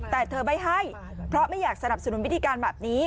แต่เธอไม่ให้เพราะไม่อยากสนับสนุนวิธีการแบบนี้